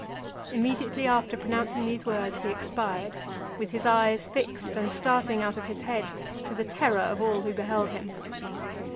Immediately after pronouncing these words, he expired, with his eyes fixed and starting out of his head, to the terror of all who beheld him.